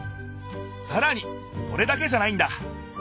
さらにそれだけじゃないんだ！